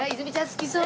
好きそう。